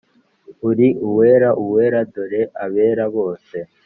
Uri uwera Uwera; Dore abera bose,